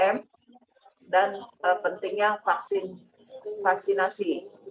tiga m dan pentingnya vaksinasi